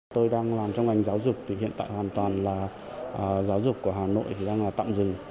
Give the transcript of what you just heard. tôi đang làm trong ngành giáo dục thì hiện tại hoàn toàn là giáo dục của hà nội đang tạm dừng